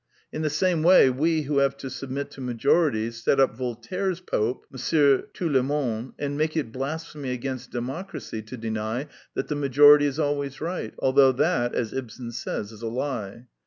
In the same way we who have to submit to majorities set up Voltaire's pope, Monster Tout le monde, and make it blasphemy against Democracy to deny that the majority is always right, although that, as Ibsen says, is a lie.